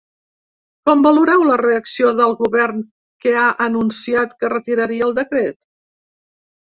Com valoreu la reacció del govern, que ha anunciat que retiraria el decret?